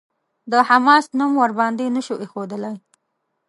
د «حماس» نوم ورباندې نه شو ايښودلای.